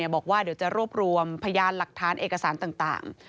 บอกว่าเดี๋ยวจะรวบรวมพยานหลักฐานเอกสารต่าง